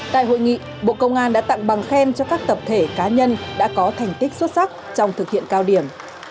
tại hội nghị bộ công an đã tặng bằng khen cho các tập thể cá nhân đã có thành tích xuất sắc trong thực hiện cao điểm